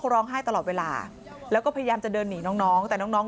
เขาร้องให้ตลอดเวลาแล้วก็พยายามจะเดินหนีน้องแต่น้อง